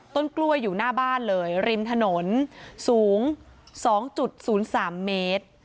ต้นกล้วยอยู่หน้าบ้านเลยริมถนนสูง๒๐๓เมตร